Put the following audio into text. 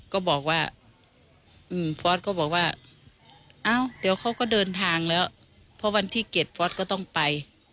ก็บอกว่าฟอร์สก็บอกว่าเอ้าเดี๋ยวเขาก็เดินทางแล้วเพราะวันที่๗ฟอสก็ต้องไป